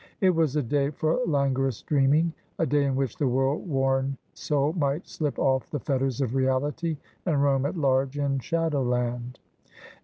It was a day for languorous dreaming ; a day in which the world worn soul might slip off the fetters of reality and roam at large in shadowland.